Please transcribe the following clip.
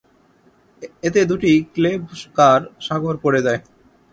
এতে দুটি cable car সাগর পড়ে যায়।